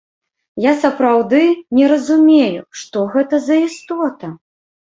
Я сапраўды не разумею, што гэта за істота.